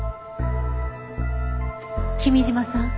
君嶋さん